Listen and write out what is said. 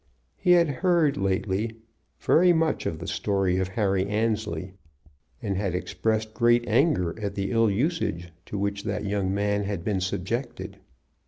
He had heard lately very much of the story of Harry Annesley, and had expressed great anger at the ill usage to which that young man had been subjected.